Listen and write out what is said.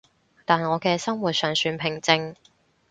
但我嘅生活尚算平靜